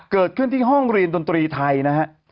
เกิดขึ้นที่ห้องเรียนดนตรีไทยนะฮะ